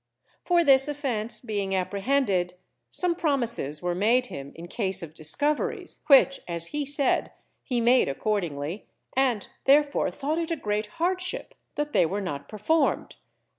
For this offence being apprehended, some promises were made him in case of discoveries, which, as he said, he made accordingly, and therefore thought it a great hardship that they were not performed.